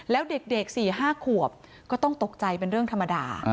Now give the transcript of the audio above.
แล้วเด็ก๔๕ขวบก็ต้องตกใจเป็นเรื่องธรรมดา